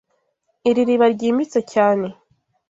Iri riba ryimbitse cyane.